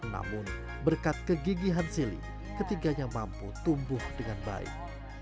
namun berkat kegigihan silly ketiganya mampu tumbuh dengan baik